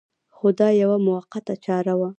خو دا یوه موقته چاره وه.